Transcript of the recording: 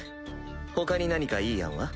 ほかに何かいい案は？